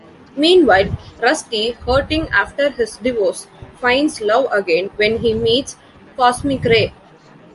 Meanwhile, Rusty, hurting after his divorce, finds love again when he meets Cosmic Rae.